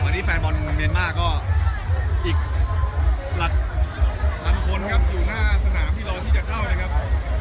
วันนี้แฟนบอลเมริกาก็อีก๓คนครับอยู่หน้าสนามที่รอที่จะเข้าเลยครับ